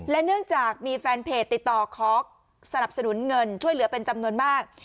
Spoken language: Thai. เนื่องจากมีแฟนเพจติดต่อขอสนับสนุนเงินช่วยเหลือเป็นจำนวนมาก